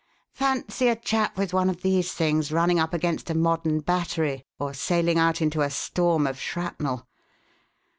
"Fancy a chap with one of these things running up against a modern battery or sailing out into a storm of shrapnel!